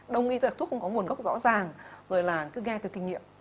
đồng ý là thuốc không có nguồn gốc rõ ràng rồi là cứ nghe cái kinh nghiệm